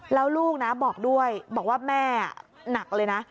แล้วลูกนะบอกด้วยบอกว่าแม่หนักเลยนะ